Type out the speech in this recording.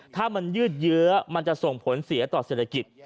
ถ้ามันยืดเยื้อมันจะส่งผลเสียต่อเศรษฐกิจ